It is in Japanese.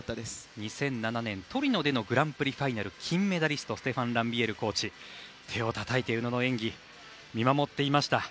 ２００７年、トリノでのグランプリファイナルの金メダリストのステファン・ランビエールコーチ手をたたいて宇野の演技を見守っていました。